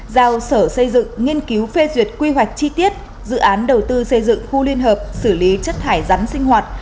giao sở xây dựng nghiên cứu phê duyệt quy hoạch chi tiết dự án đầu tư xây dựng khu liên hợp xử lý chất thải rắn sinh hoạt